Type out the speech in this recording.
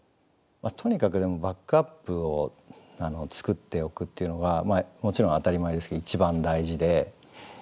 とにかくでもバックアップを作っておくっていうのがもちろん当たり前ですけど一番大事で。